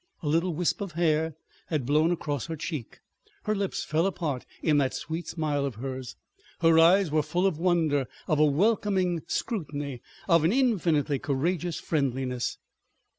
A little wisp of hair had blown across her cheek, her lips fell apart in that sweet smile of hers; her eyes were full of wonder, of a welcoming scrutiny, of an infinitely courageous friendliness.